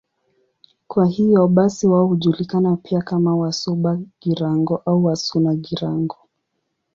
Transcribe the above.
Kwa hiyo basi wao hujulikana pia kama Wasuba-Girango au Wasuna-Girango.